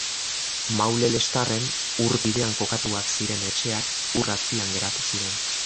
Maule-Lextarren, ur bidean kokatuak ziren etxeak ur azpian geratu ziren.